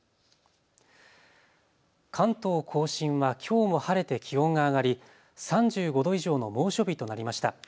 関東甲信はきょうも晴れて気温が上がり、３５度以上の猛暑日となりました。